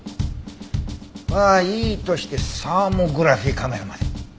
はいいとしてサーモグラフィカメラまで。